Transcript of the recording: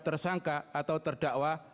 tersangka atau terdakwa